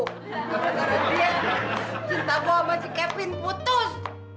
karena dia cinta gue sama si kevin putus